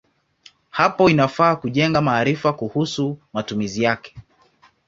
Hapo inafaa kujenga maarifa kuhusu matumizi yake.